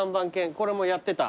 これもやってた。